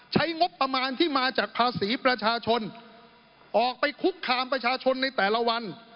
ใช้งบประมาณที่มาจากภาษีประชาชนออกไปคุกคามประชาชนในแต่ละวัน